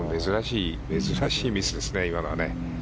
珍しいミスですね、今の。